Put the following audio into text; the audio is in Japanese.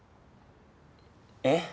えっ？